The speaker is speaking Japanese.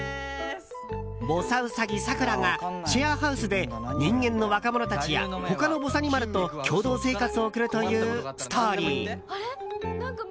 ぼさうさぎ・さくらがシェアハウスで人間の若者たちや他のぼさにまると共同生活を送るというストーリー。